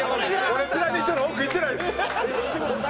俺ピラミッドの奥行ってないです。